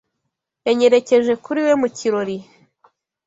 Yanyerekeje kuri we mu kirori.